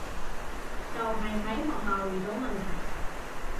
就係喺學校遇到問題